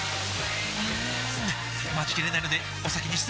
うーん待ちきれないのでお先に失礼！